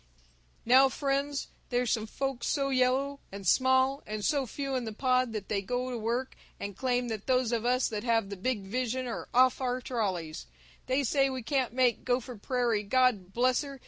"Now, frien's, there's some folks so yellow and small and so few in the pod that they go to work and claim that those of us that have the big vision are off our trolleys. They say we can't make Gopher Prairie, God bless her!